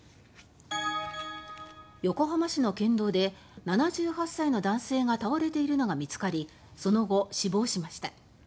横浜市の県道で７８歳の男性が倒れているのが見つかりその後、死亡しました。